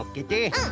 うん。